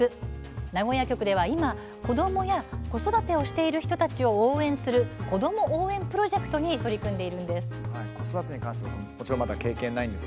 名古屋局では、今子どもや子育てしている人たちを応援する「子ども応援プロジェクト」に取り組んでいるんです。